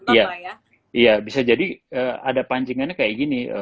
iya bisa jadi ada pancingannya kayak gini